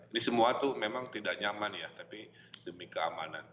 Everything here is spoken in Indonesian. ini semua tuh memang tidak nyaman ya tapi demi keamanan